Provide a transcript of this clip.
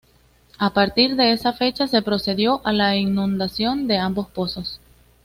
A partir de esa fecha se procedió a la inundación de ambos pozos.